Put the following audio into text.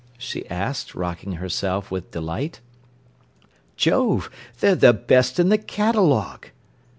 she asked, rocking herself with delight. "Jove! they're the best in the catalogue."